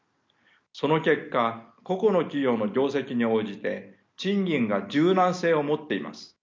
その結果個々の企業の業績に応じて賃金が柔軟性を持っています。